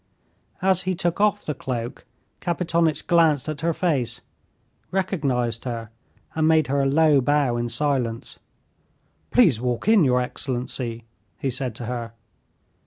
As he took off the cloak, Kapitonitch glanced at her face, recognized her, and made her a low bow in silence. "Please walk in, your excellency," he said to her.